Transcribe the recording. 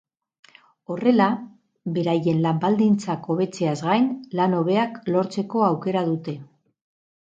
Horrela beraien lan baldintzak hobetzeaz gain lan hobeak lortzeko aukera dute.